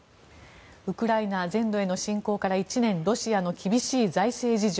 ウクライナ全土への侵攻から１年ロシアの厳しい財政事情。